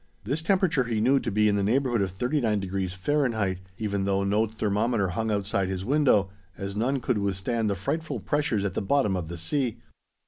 This temperature he knew to be in the neighborhood of 39 degrees Fahrenheit even though no thermometer hung outside his window, as none could withstand the frightful pressures at the bottom of the sea.